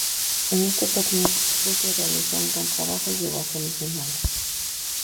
En ese torneo, Rusia realizó un gran trabajo y llegó a semifinales.